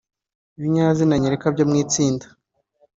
ibinyazina nyereka byo mu itsinda